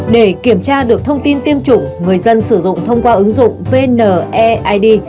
để kiểm tra được thông tin tiêm chủng người dân sử dụng thông qua ứng dụng vneid